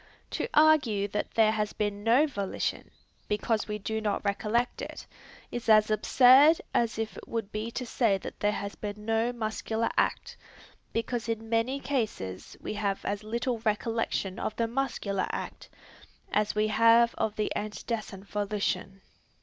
To argue that there has been no volition, because we do not recollect it, is as absurd as it would be to say that there has been no muscular act, because in many cases we have as little recollection of the muscular act, as we have of the antecedent volition.